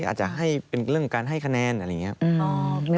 อาจจะให้เป็นเรื่องการให้คะแนนอะไรอย่างนี้